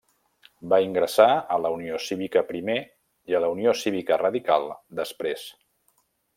Va ingressar a la Unió Cívica, primer, i a la Unió Cívica Radical, després.